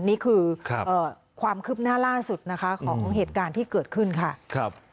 นี่คือความคืบหน้าล่าสุดนะคะของเหตุการณ์ที่เกิดขึ้นค่ะ